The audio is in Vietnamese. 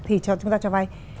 thì chúng ta cho vay